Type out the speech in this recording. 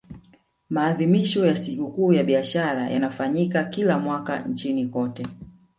maadhimisho ya sikukuu ya biashara yanafanyika kila mwaka nchini tanzania